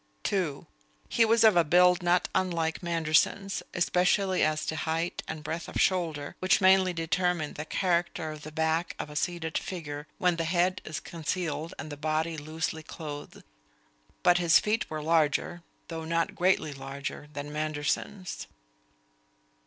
(2) He was of a build not unlike Manderson's, especially as to height and breadth of shoulder, which mainly determine the character of the back of a seated figure when the head is concealed and the body loosely clothed. But his feet were larger, though not greatly larger, than Manderson's.